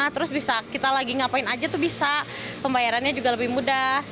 terus bisa kita lagi ngapain aja tuh bisa pembayarannya juga lebih mudah